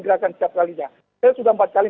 gerakan setiap kalinya saya sudah empat kali